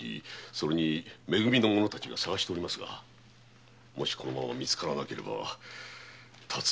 それに「め組」の者たちが捜しておりますがこのままみつからなければ辰五郎は島送りということに。